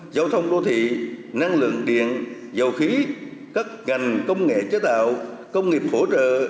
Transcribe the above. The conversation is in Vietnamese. giao thông đô thị năng lượng điện dầu khí các ngành công nghệ chế tạo công nghiệp phổ trợ